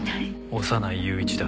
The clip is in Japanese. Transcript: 小山内雄一だ。